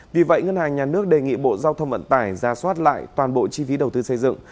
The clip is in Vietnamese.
vì vậy ngân hàng nhà nước đề nghị bộ giao thông vận tải ra soát lại toàn bộ chi phí đầu tư xây dựng